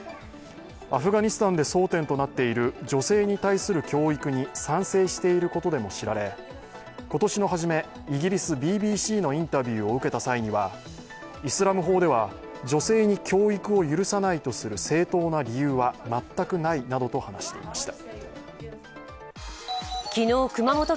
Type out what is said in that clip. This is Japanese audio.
アフガニスタンで争点となっている女性に対する教育に賛成していることでも知られ、今年の初め、イギリスＢＢＣのインタビューを受けた際にはイスラム法では女性に教育を許さないとする正当な理由は全くないなどと話していました。